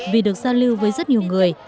vì được giao lưu với rất nhiều người